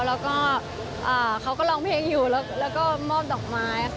แล้วก็เขาก็ร้องเพลงอยู่แล้วก็มอบดอกไม้ค่ะ